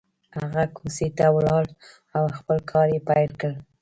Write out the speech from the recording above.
هغه کوڅې ته ولاړ او خپل کار يې پيل کړ.